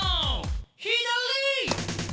「左！」